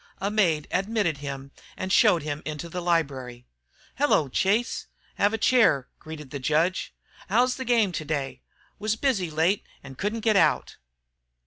A maid admitted him and showed him into the library. "Hello, Chase, have a chair," greeted the judge. "How's the game today? Was busy late and couldn't get out."